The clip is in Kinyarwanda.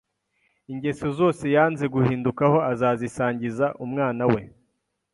ingeso zose yanze guhindukaho azazisangiza umwana we.